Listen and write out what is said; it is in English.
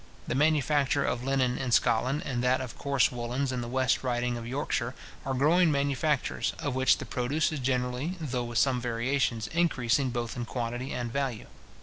The manufacture of linen in Scotland, and that of coarse woollens in the West Riding of Yorkshire, are growing manufactures, of which the produce is generally, though with some variations, increasing both in quantity and value.